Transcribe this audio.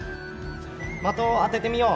的を当ててみよう。